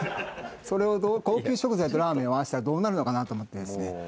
高級食材とラーメンを合わせたらどうなるのかなと思ってですね。